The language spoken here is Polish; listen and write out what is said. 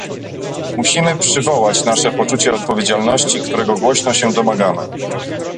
Musimy przywołać nasze poczucie odpowiedzialności, którego głośno się domagamy